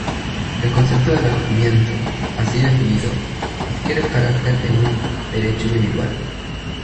El concepto de alojamiento, así definido, adquiere el carácter de un "derecho individual".